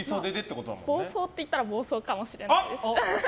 暴走って言ったら暴走かもしれないです。